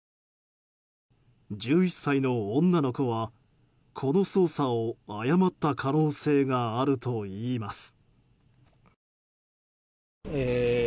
１１歳の女の子は、この操作を誤った可能性があるといいます。